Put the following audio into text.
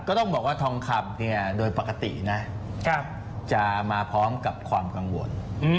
ก็ต้องบอกว่าทองคำเนี่ยโดยปกตินะจะมาพร้อมกับความกังวล